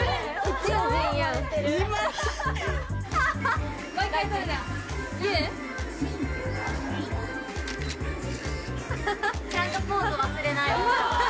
ちゃんとポーズ忘れないで。